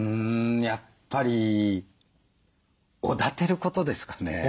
やっぱりおだてることですかね。